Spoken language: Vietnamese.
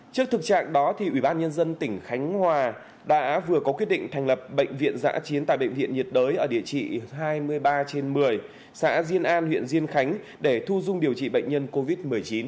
trước thực trạng đó ubnd tỉnh khánh hòa đã vừa có quyết định thành lập bệnh viện giã chiến tại bệnh viện nhiệt đới ở địa chỉ hai mươi ba trên một mươi xã diên an huyện diên khánh để thu dung điều trị bệnh nhân covid một mươi chín